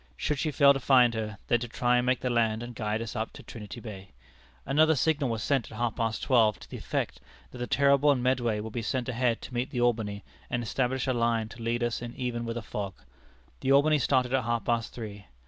Should she fail to find her, then to try and make the land and guide us up Trinity Bay. Another signal was sent at half past twelve to the effect that the Terrible and Medway would be sent ahead to meet the Albany and establish a line to lead us in even with a fog. The Albany started at half past three.